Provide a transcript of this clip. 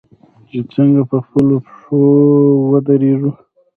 چې څنګه په خپلو پښو ودریږو.